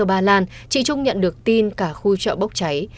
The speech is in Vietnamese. trong khu bà làn chị trung nhận được tin cả khu chợ bốc cháy